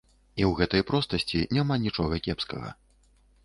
І ў гэтай простасці няма нічога кепскага.